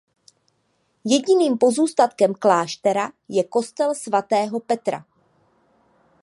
Jediným pozůstatkem kláštera je kostel svatého Petra.